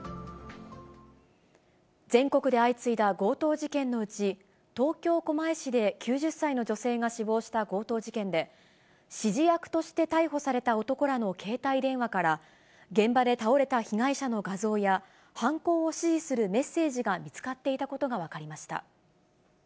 全国で相次いだ強盗事件のうち、東京・狛江市で９０歳の女性が死亡した強盗事件で、指示役として逮捕された男らの携帯電話から、現場で倒れた被害者の画像や、犯行を指示するメッセージが見つかっていたことが分かりました。